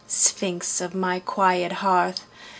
Sphinx of my quiet hearth!